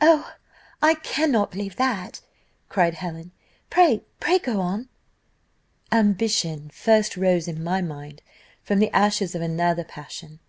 "Oh! I cannot believe that," cried Helen; "pray, pray go on." "Ambition first rose in my mind from the ashes of another passion.